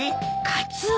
カツオ！